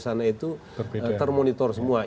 sana itu termonitor semua